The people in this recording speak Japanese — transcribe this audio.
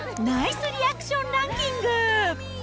ナイスリアクションランキング。